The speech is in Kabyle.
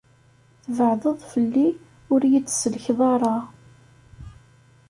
Tbeɛdeḍ fell-i, ur iyi-d-tsellkeḍ ara.